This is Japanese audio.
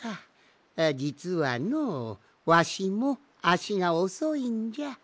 じつはのわしもあしがおそいんじゃ。